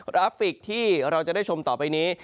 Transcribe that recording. ราฟิกที่เราจะได้ชมต่อไปนี้